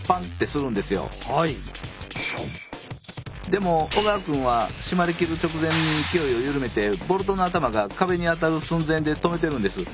でも小川くんは締まりきる直前に勢いを緩めてボルトの頭が壁に当たる寸前で止めてるんです。